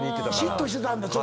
嫉妬してたんだ。